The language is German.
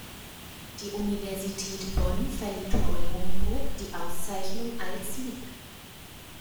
Die Universität Bonn verlieh Paul Humburg die Auszeichnung als Lic.